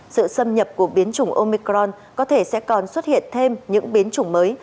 sự xâm nhập của biến chủng omicron có thể sẽ còn xuất hiện thêm những biến chủng mới